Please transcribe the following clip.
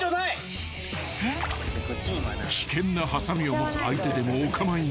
［危険なはさみを持つ相手でもお構いなし］